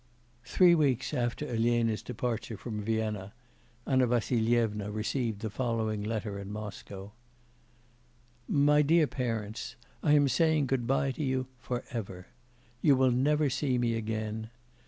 Three weeks after Elena's departure from Vienna, Anna Vassilyevna received the following letter in Moscow: 'My DEAR PARENTS. I am saying goodbye to you for ever. You will never see me again.